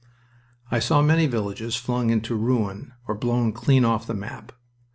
I saw many villages flung into ruin or blown clean off the map.